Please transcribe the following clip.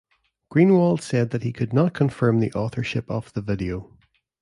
Greenwald said that he could not confirm the authorship of the video.